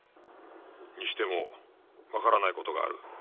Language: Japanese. にしてもわからないことがある。